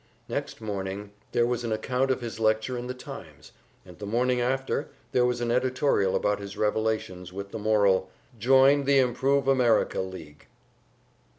Next morning there was an account of his lecture in the "Times," and the morning after there was an editorial about his revelations, with the moral: "Join the Improve America League."